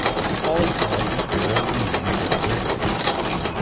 It follows the life and career of comedian Dick Gregory.